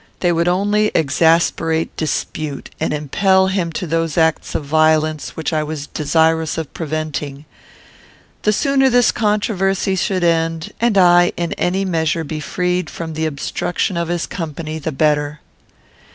They would only exasperate dispute, and impel him to those acts of violence which I was desirous of preventing. The sooner this controversy should end, and I in any measure be freed from the obstruction of his company, the better.